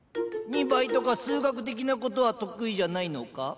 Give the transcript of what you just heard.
２倍とか数学的なことは得意じゃないのか？